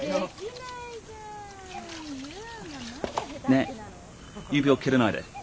ねえ指を切らないで。